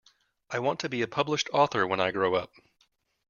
I want to be a published author when I grow up.